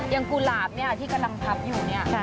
อย่างกุหลาบนี่ที่กำลังพับอยู่นี่